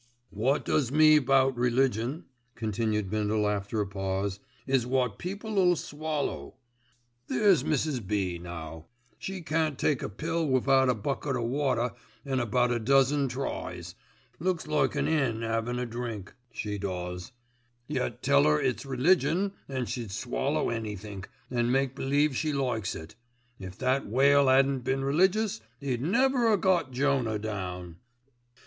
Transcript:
"Wot does me about religion," continued Bindle after a pause, "is wot people'll swallow. There's Mrs. B. now: she can't take a pill without a bucket o' water an' about a dozen tries, looks like an 'en 'avin' a drink, she does; yet tell 'er it's religion an' she'd swallow anythink, an' make believe she likes it. If that whale 'adn't been religious, 'e'd never 'ave got Jonah down."